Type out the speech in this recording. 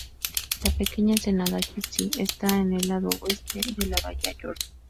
La pequeña ensenada Gypsy está en el lado oeste de la Bahía Yorke.